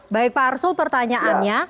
baik parsul pertanyaannya